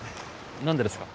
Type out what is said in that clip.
何でですか？